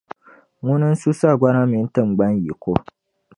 Ŋuna n-su sagbana mini tiŋgbani yiko.